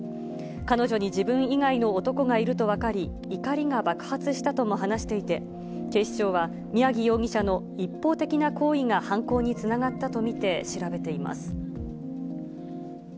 彼女に自分以外の男がいると分かり、怒りが爆発したとも話していて、警視庁は、宮城容疑者の一方的な行為が犯行につながったと見て調べています。